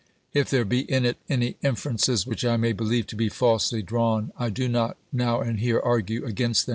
If there be in it any inferences which I may believe to be falsely drawn, I do not, now and here, argue against them.